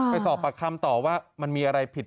ไปสอบปากคำต่อว่ามันมีอะไรผิด